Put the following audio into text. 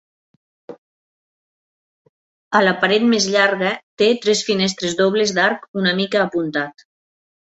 A la paret més llarga té tres finestres dobles d'arc una mica apuntat.